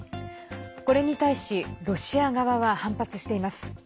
これに対しロシア側は反発しています。